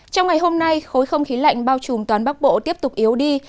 trong ngày hôm nay khối không khí lạnh bao trùm toàn bắc bộ tiếp tục yếu đi